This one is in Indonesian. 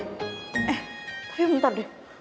eh tapi bentar deh